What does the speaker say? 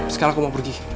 sekarang aku mau pergi